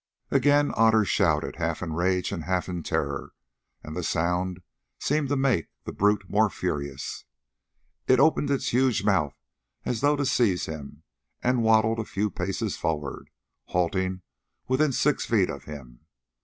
Again Otter shouted, half in rage and half in terror, and the sound seemed to make the brute more furious. It opened its huge mouth as though to seize him and waddled a few paces forward, halting within six feet of him.